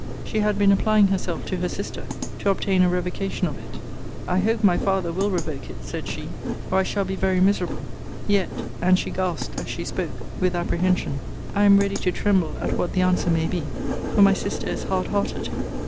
She had been applying herself to her sister, to obtain a revocation of it. I hope my father will revoke it, said she, or I shall be very miserable Yet [and she gasped as she spoke, with apprehension] I am ready to tremble at what the answer may be; for my sister is hard hearted.